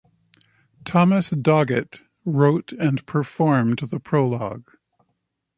Thomas Doggett wrote and performed the prologue.